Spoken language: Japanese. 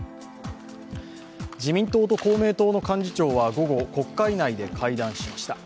自民党と公明党の幹事長は午後、国会内で会談しました。